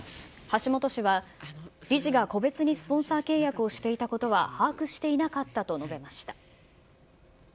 橋本氏は、理事が個別にスポンサー契約をしていたことは把握していなかったと述べました。